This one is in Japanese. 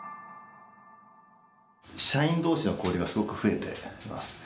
社員同士の交流がすごく増えてます。